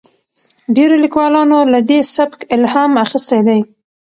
ډیرو لیکوالانو له دې سبک الهام اخیستی دی.